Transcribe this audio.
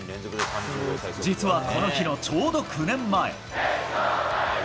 実はこの日のちょうど９年前。